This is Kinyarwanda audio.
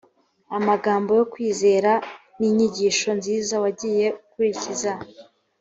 amagambo yo kwizera n’inyigisho nziza wagiye ukurikiza